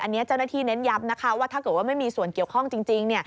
อันนี้เจ้าหน้าที่เน้นย้ำนะคะว่าถ้าเกิดว่าไม่มีส่วนเกี่ยวข้องจริง